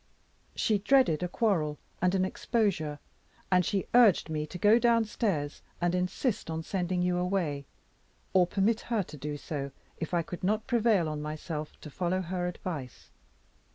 She dreaded a quarrel and an exposure, and she urged me to go downstairs and insist on sending you away or permit her to do so, if I could not prevail on myself to follow her advice.